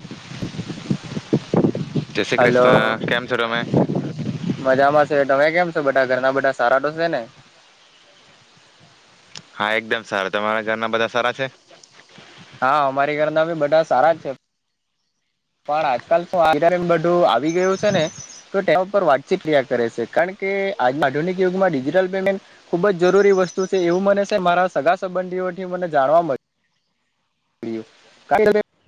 એક [inaudible] જય શ્રી હલો કૃષ્ણ કેમ છો તમે મજામાં છે. તમે કેમ છો? બધા ઘરના બધા સારા તોશે ને? હા, એકદમ સારા. તમારા ઘરના બધા સારા સે? હા, અમારી ઘરના બી બધા સારા જ છે. પણ આજકાલ અત્યારે બધું આવી ગયું છે ને, તો તેના પર વાતચીત કિયા કરે છે. કારણ કે આ આધુનિક યુગમાં ડિજિટલ પેમેન્ટ ખુબ જ જરૂરી વસ્તુ છે એવું મને સે મારા સગા સંબંધીઓથી મને જાણવા મળી [unintelligible]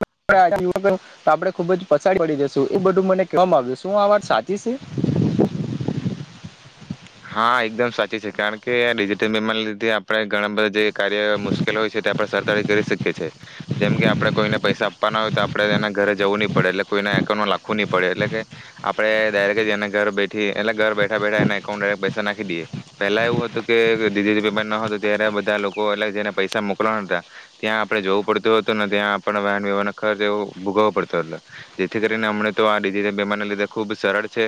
[unintelligible] તો આપડે ખુબ જ [unintelligible] પડી જશું એ બધું મને કેવામાં આવ્યું. શું આ વાત સાચી સે? હા, એકદમ સાચી સે, કારણ કે આ ડિજિટલ પેમેન્ટના લીધે આપણે ઘણા બધા જે કાર્ય મુશ્કેલ હોય છે તે આપણે સરળતાથી કરી શકીએ છીએ, જેમ કે આપડે કોઈને પૈસે આપવાના હોય તો આપણે એના ઘરે જવું નહીં પડે, એટલે કોઈના એકાઉન્ટમાં લાખવું નહી પડે, એટલે કે આપણે ડાયરેક્ટ જ એને ઘર બેઠી એટલે ઘર બેઠા બેઠા એને [unintelligible] પૈસા નાખી દઈએ. પેલા એવું હતું કે જે ડિજિટલ પેમેન્ટ ન હતું, ત્યારે બધા લોકોને એટલે કે જેને પૈસા મોકલવાના હતા, ત્યાં આપણે જવું પડતું હતું, અને તે આપણને [unintelligible] દેવું ભોગવો પડતો હતો. જેથી કરીને હમણે તો આ ડિજિટલ પેમેન્ટ ના લીધે ખૂબ સરળ છે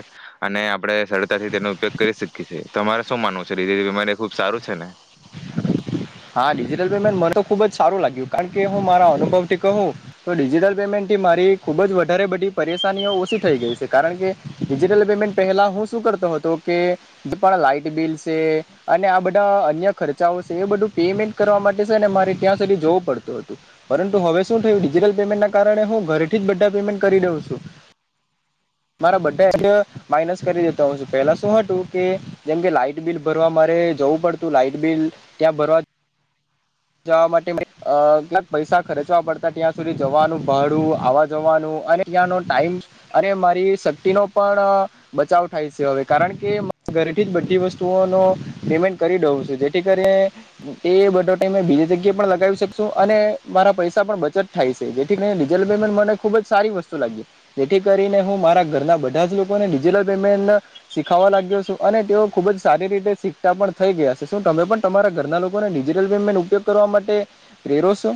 અને આપણે સરળતાથી તેનો ઉપયોગ કરી શીખી છી. તમારે શું માનવું છે? રે અમારે ખુબ સારું છે ને? હા, ડિજિટલ પેમેન્ટ મને તો ખુબ જ સારું લાગ્યું. કારણ કે હું મારા અનુભવ થી કહું તો, ડિજિટલ પેમેન્ટ થી મારી ખુબ જ વધારે બધી પરેશાનીઓ ઓછી થઈ ગઈ છે. કારણ કે ડિજિટલ પેમેન્ટ પહેલા હું શું કરતો હતો કે, જે પણ લાાઈટ બિલ છે અને આ બધા અન્ય ખર્ચાઓ છે, એ બધું. પેમેન્ટ કરવા માટે છે ને મારે ત્યાં સુધી જવું પડતું હતું, પરંતુ હવે શું થયું ડિજિટલ પેમેન્ટના કારણે હું ઘરેથી જ બધા પેમેન્ટ કરી દઉં છું. મારા બધા અહ [unintelligible] માઇનસ કરી દેતા હોઉ છું. પહેલા શું હતું કે, જેમ કે લાાઈટ બિલ ભરવા મારે જવું પડતું, લાાઈટ બિલ ત્યાં ભરવા જવા માટે અહ કેટલાક પૈસા ખર્ચવા પડતા ત્યાં સુધી જવાનું ભાડું, આવવા-જવાનું, અને ત્યાંનો ટાઈમ, અને મારી શક્તિનો પણ બચાવ થાય છે હવે, કારણ કે [unintelligible] ઘરેથી જ બધી વસ્તુઓનો પેમેન્ટ કરી દઉં છું. જેથી કરીને એ બધો [unintelligible] બીજી જગ્યાએ પણ લગાવી શકશું, અને મારા પૈસા પણ બચત થાય છે. જેથી કરીને ડિજિટલ પેમેન્ટ મને ખુબ જ સારી વસ્તુ લાગી. જેથી કરીને હું મારા ઘરના બધા જ લોકોને ડિજિટલ પેમેન્ટ શીખાવા લાગ્યો છું, અને તેઓ ખુબ જ સારી રીતે શીખતા પણ થઈ ગયા છે. શું તમે પણ તમારા ઘરના લોકોને ડિજટલ પેમેન્ટ ઉપયોગ કરવા માટે પ્રેરો છો?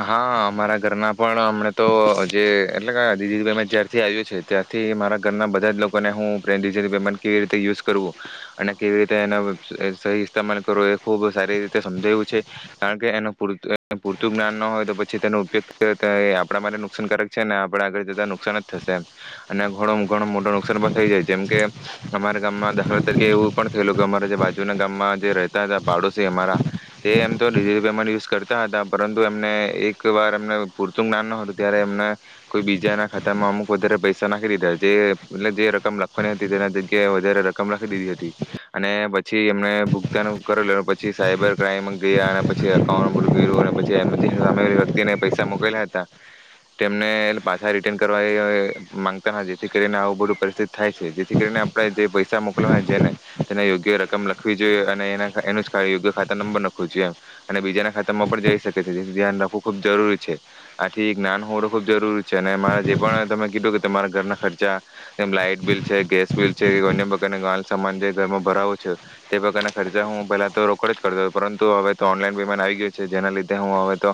હા અમારા ઘરના પણ હમણે તો જે એટલે કે આ ડિજિટલ પેમેન્ટ જ્યારથી આયું છે, ત્યારથી મારા ઘરના બધા જ લોકોને હું પે ડિજિટલ પેમેન્ટ કેવી રીતે યુઝ કરવું, અને કેવી રીતે એનો સહી ઈસ્તમાલ કરવું એ ખૂબ સારી રીતે સમજાવ્યું છું, કારણ કે એનું પૂત એનું પૂરતું જ્ઞાન ન હોય તો પછી તેનો ઉપયોગ [unintelligible] આપણા માટે નુકસાનકારક છે, અને આપણે આગળ જતા નુકસાન જ થશે એમ, અને ઘણું ઘણું મોટું નુકસાન પણ થઈ જાય જેમ કે અમારા ગામમાં દાખલા તરીકે એવું પણ થયેલું કે અમારા જે બાજુના ગામમાં જે રહેતા હતા પાડોશી અમારા, જે અમારા એમ તો પેમેન્ટ યુઝ કરતા હતા પર એમને એક વાર એમને પૂરતું જ્ઞાન ન હતું ત્યારે એમને કોઈ બીજા ના ખાતામાં અમુક વધારે પૈસા નાખી દીધા. જે એટલે જે રકમ લખવાની હતી, તેના જગ્યાએ વધારે રકમ લખી દીધી હતી, અને પછી એમને ભુગતાન કરેલ, પછી સાયબર ક્રાઈમ ગયા અને પછી એકાઉન્ટ ગયું. જ્યારથી સામેની વ્યક્તિને પૈસા મોકેલા હતા, તેમને પાછા રિટર્ન કરવા માંગતા હતા. જેથી કરીને આવું બધું પરિસ્થિતિ થાય છે. જેથી કરીને આપણે જે પૈસા મોકલવાના હોય, જેને તેને યોગ્ય રકમ લખવી જોઈએ. અને એ એનું યોગ્ય ખાતા નંબર લખવો જોઈએ. એ અને બીજાના ખાતામાં પણ જઈશ. તેથી તેનું ધ્યાન રાખવું ખૂબ જરૂરી છે. આથી જ્ઞાન હોવું ખુબ જરૂરી છે. એમા જે પણ તમે કીધું કે તમારા ઘરના ખર્ચા, લાઈટ બિલ, ગેસ બિલ છે. અન્ય પ્રકારના સામાન જે ઘરમાં ભરાવો છો, તે પ્રકારના ખર્ચા હું પહેલા તો રોકડ જ કરતો હતો. પરંતુ હવે તો ઓનલાઈન પેમેન્ટ આવી ગયો છે, જેના લીધે હું હવે તો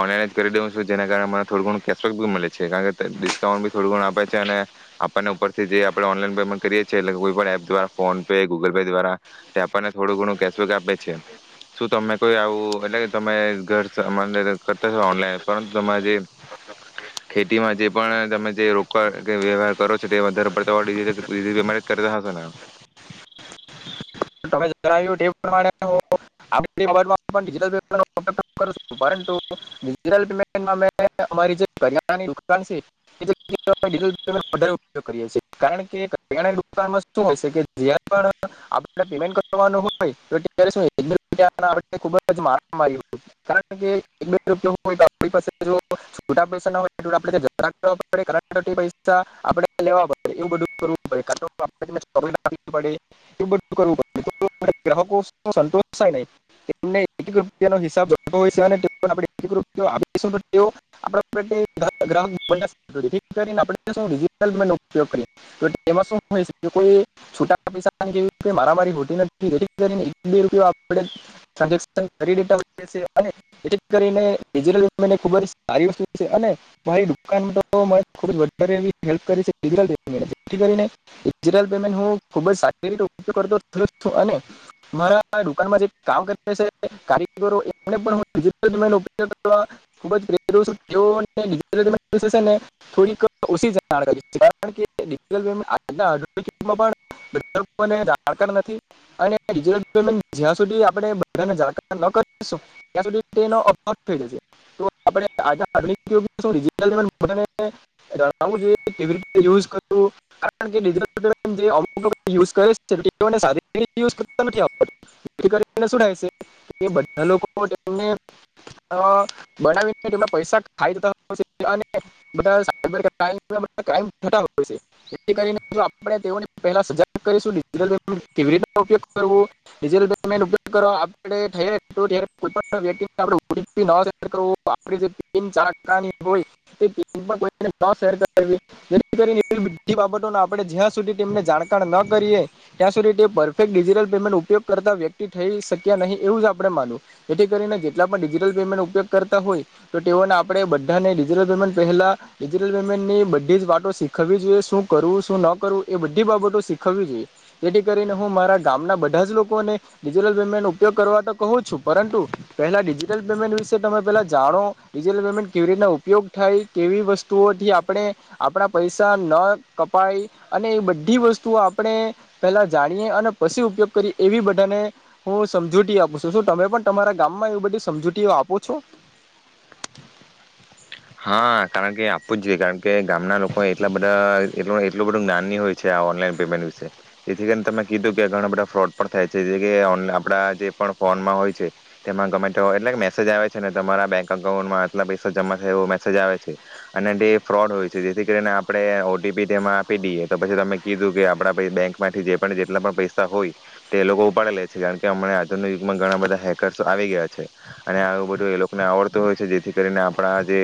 ઓનલાઈન જ કરી દઉં છું, જેના કારણે મને થોડું ઘણું ડિસ્કાઉન્ટ પણ મળે છે કારણ કે ડિસ્કાઉન્ટ થોડું ઘણું આપે છે, અને આપણને ઉપરથી જે આપણે ઓનલાઈન પેમેન્ટ કરીએ છીએ. એટલે કોઈ પણ એપ દ્વા ફોન પે ગુગલ પે દ્વારા. આપને થોડું ઘણું કેશબેક આપે છે. શું તમને કોઈ આવું એટલે તમે ઘર સામાન કરતા ઓનલાઈન પરંતુ, તમારી જે ખેતીમાં જે પણ તમે જે રોક વ્યવહાર કરો છો, વધારે પડતા કરતા હશે ને? [unintelligible] [unintelligible] [unintelligible] [unintelligible] મારા દુકાનમાં જે કામ કરે છે કારીગરો એમને પણ ડિજિટલ પેમેન્ટ [unintelligible] [unintelligible] [inaudible] [unintelligible] કરીએ ત્યાં સુધી તે પરફેક્ટ ડિજિટલ પેમેન્ટ ઉપયોગ કરતા વ્યક્તિ થઈ શક્યા નહીં એવું જ આપણેે માનવું જેથી કરીને જેટલા પણ ડિજિટલ પેમેન્ટ ઉપયોગ કરતા હોય તો તેઓને આપણે બધાને ડિજિટલ પેમેન્ટ પહેલા ડિજિટલ પેમેન્ટની બધી જ વાતો શીખવવી જોઈએ શું કરવું શું ન કરવું એ બધીજ બાબતો શીખવવી જોઈએ જેથી કરીને હું મારા ગામના બધા જ લોકોને ડિજિટલ પેમેન્ટનો ઉપયોગ કરવા તો કહું છું પરંતુ પહેલા ડિજિટલ પેમેન્ટ વિશે તમે પહેલા જાણો ડિજિટલ પેમેન્ટ કેવી રીતના ઉપયોગ થાય કેવી વસ્તુઓથી આપણે આપણા પૈસા ન કપાય અને એ બધી વસ્તુ. ત આપણે પેલા જાણીએ અને પછી ઉપયોગ કરીએ એવી બધાને હું સમજૂતી આપું છું શું તમે પણ તમારા ગામમાં એ બધી સમજૂતીઓ આપો છો. હા કારણ કે આપવું જ જોઈએ કારણ કે ગામના લોકો એટલા બધા એટલું બધું જ્ઞાનની હોય છે આ ઓનલાઈન પેમેન્ટ વિશે જેથી કરીને તમે કીધું કે ઘણા બધા ફ્રોડ પણ થાય છે જે કે આપડા જે પણ ફોનમાં હોય છે તેમાં ગમે એટલા મેસેજ આવે છે ને તમારા બેંક અઉન્ટમાં આટલા પૈસા જમા. રહે એવો મેસેજ આવે છે અને તે ફ્રોડ હોય છે જેથી કરીને આપણે ઓટીપી તેમાં આપી દઈએ તો પછી તમે કીધું કે આપડા પ બેંકમાંથી જે જેટલા પણ પૈસા હોય તે એ લોકો ઉપાડે લે છે કારણ કે હમ આજુ યુગમાં ઘણા બધા હેકર્સ આવી ગયા છે અને આવું બધું એ લોકોને આવડતું હોય છે જેથી કરીને આપણા જે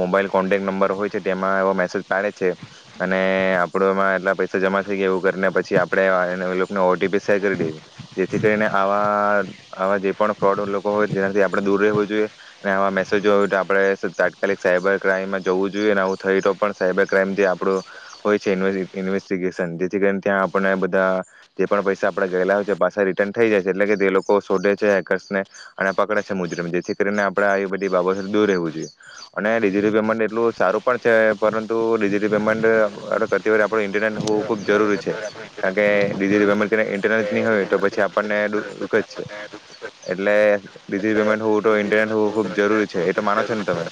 મોબાઈલ કોન્ટેક્ટ નંબર હોય છે તેમાં એો મેસેજ પાડે છે અને આપણો એમાં એટલા પૈસા જમા થઈ ગયા એવું કરીને પછી આપણે એને ઓટીપી શેર કરી દઈ જેથી કરીને આવા આવા જે પણ ફ્રોડ લોકો હોય જેનાથી આપણે દૂર રહેવું જોઈએ અને આવા મેસેજો હોય તો આપણે તાત્કાલિક સાયબર ક્રાઈઇમમાં જવું જોઈએ ને આવું થય તો પણ સાયબર ક્રાઈમ જે આપણું હોય છે ઇન્વેસ્ટિગેશન જેથી કરીને ત્યાં આપણણે બધા જે પણ પૈસા આપડે ગયેલા હોય છે પાછા રિટર્ન થઇ જાય છે એટલે કે તે લોકો શોધે છે હેકર્સને અને પકડે છે મુજર જેથી કરીને આપણેે આવી બધી બાબતો દૂર રહેવું જોઈએ. અને ડિજિટલી પેમેન્ટ એટલું સારું પણ છે પરંતુ ડિજિટલી પેમેન્ટ કરતી વર આપડ ન્ટરનેટ હોવું ખુબ જરૂરી છે કારણ કે ડિજટલ પેમેન્ટ ઇન્ટરનેટ નહી હોય તો પછી આપણને દુઃખ જ છે એટલે ડિજટ પેમેન્ટ હોવું તો ઇન્ટરનેટ હોવું ખુબ જરૂરી છે એ તો માનો છો ને તમે.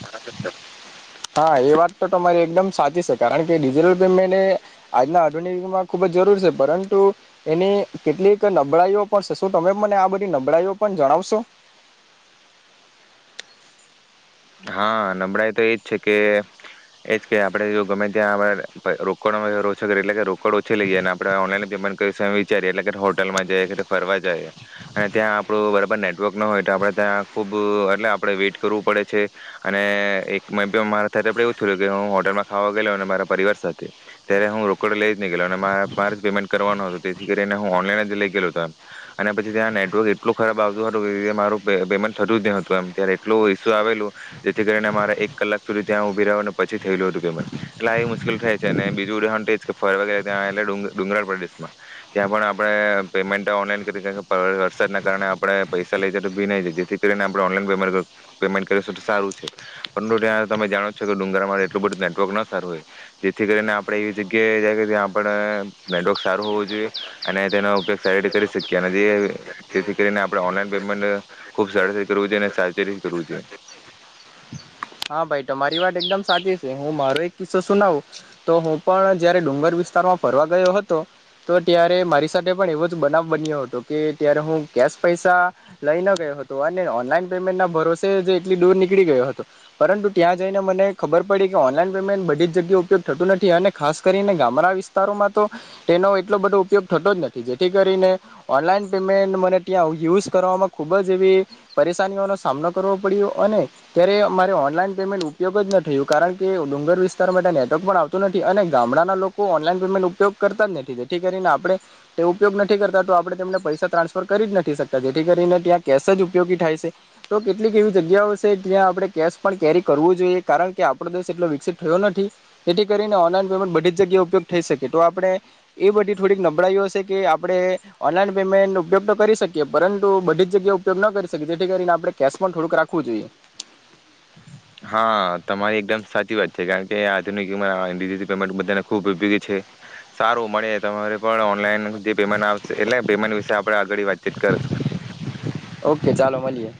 હા એ વાત તો તમારી એકદમ સાચી છે કારણ કે ડિજિટલ પેમેન્ટ એ આજના આધુનિકમાં ખુબ જ જરૂર છે પરંતુ એની કેટલીક નબળાઈઓ પણ છે શું તમે મને આ બધી નબળાઈઓ પણ જણાવશો. હા નબળાઈ તો એજ છે કે એજ કે આપડે જો ગમે ત્યાં રોકડ ઓછ કરીએ એટલે કે રોકડ ઓછી લઈ જઈએ ને આપડણે ઓનલાઈન પેમેન્ટ કરીમે વિચારીએ એટલે હોટલમાં જાય કે ફરવા જાય અને ત્યાં આપડું બરાબર નેટવર્ક ન હોય તો આપડણે ત્યાં ખુબ એટલે આપણે વેઇટ કરવું પડે. એક મારા તે એવું થયું કે હું હોટલમાં ખાવા ગયેલો અને મારા પરિવાર સાથે ત્યારે હું રોકડ લઈ જ નહી ગે અને મારે પેમેન્ટ કરવાનો હતું તેથી કરીને હું ઓનલાઈન જ લઈ ગે હતો એમ અને પછી ત્યાં નેટવર્ક એટલું ખરાબ આવતું હતું કે મારું પેમેન્ટ થતું જ ન હતું એમ ત એટલું આવેલું જેથી કરીને મારે એક કલાક સુધી ત્યાં ઉભી રહ પછી થયેલું હતું પેમેન્ટ એટલે એ મુશ્કેલ થાય છે અને બીજું ઉહણ ફરગેરે ત્યા ડુંગરાળ પ્રદેશમાં ત્યાં પણ આપણે પેમેન્ટ ઓનલાઈન વરસાદના કારણે આપણે પૈસા લઈ જેથી કરીને ઓનલાઈન પેમેન્ટ પેમેન્ટ કરી તો સારું છે પરંતુ ત્યાં તમે જાણો છો કે ડુંગરામાં એટલું બધું નેટવર્ક ન સારું હોય જેથી કરીને આપણેે એવી જગ્યાએ જાય કે ત્યાં આપ નેટવર્ક સારું હોવું જોઈએ અને તેનો ઉપયોગ સારી રીતે કરી શકીએ અને જેથી કરીને આપણે ઓનલાઈન પેમેન્ટ ખુબ સરળ રીતે કરવું જોઈએ સા કરું છે. હા ભાઈ તમારી વાત એકદમ સાચી છે હું મારો એક કિસ્સો સુનાવું તો હું પણ જયારે ડુંગર વિસ્તારમાં ફરવા ગયો હતો તો ત્યારે મારી સાથે પણ એવો જ બનાવ બન્યો હતો કે ત્યારે હું કેશ પૈસા લઈ ન ગયો હતો અને ઓનલાઈન પેમેન્ટ ના ભરોસે જે એટલી દૂર નીકળી ગયો હતો. પરંતુ ત્યાં જઈને મને ખબર પડી કે ઓનલાઈન પેમેન્ટ બધી જ જગ્યાએ ઉપયોગ થતું નથી અને ખાસ કરીને ગામડા વિસ્તારોમાં તો તેનો એટલો બધો ઉપયોગ થતો જ નથી જેથી કરીને ઓનલાઈન પેમેન્ટ મને ત્યાં યુઝ કરવામાં ખૂબ જ એવી પરેશાનીઓનો સામનો કરવો પડ્યો અને ત્યારે મારે ઓનલાઈન પેમેન્ટ ઉપયોગ જ ન થયું કારણ કે ડુંગર વિસ્તાર માટે નેટવર્ક પણ આવતોું નથી અને ગામડાના લોકો ઓનલાઈન પેમેન્ટ ઉપયોગ કરતા જ નથી જેથી કરીને આપણે તે ઉપયોગ નથી કરતા તો આપણે તેમને પૈસા ટ્રાન્સફર કરી જ નથી શકતા જેથી કરીને ત્યાં કેશ જ ઉપયોગી થાય છે તો કેટલીક એવી જગ્યાઓ છે જ્યાં આપણે કેશ પણ કેરી કરવું જોઈએ કારણ કે આપણો દેશ એટલો વિકસિત થયો નથી જેથી કરીને ઓનલાઈન પેમેન્ટ બધી જ જગ્યાએ ઉપયોગ થઈ શકે તો આપણે એ બધી થોડીક નબળાઈું હશે કે આપણે ઓનલાઈન પેમેન્ટ ઉપયોગ તો કરી શકીએ પરંતુ બધી જ જગ્યાએ ઉપયોગ ન કરી શકીએ જેથી કરીને આપણે કેશ પણ થોડુંક રાખવું જોઈએ. હા તમારી એકદમ સાચી વાત છે કારણ કે આધુનિકલ પેમેન્ટ બધાને ખુબ ઉપયોગી છે સારું મળે તમારે પણ ઓનલાઈન જે પેમેન્ટ આપશે એટલે પેમેન્ટ વિશે આપણે આગળ વાતચીત કરશું. ઓકે ચાલો મળીએ.